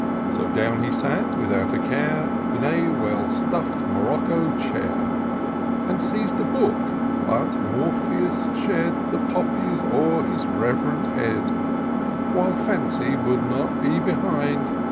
So down he sat, without a care, In a well stuif 'd morocco chair. And seiz'd a book ; but Morpheus shed The poppies o'er his rev'rend head ; While Fancy would not be behind.